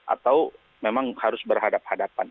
atau memang harus berhadapan hadapan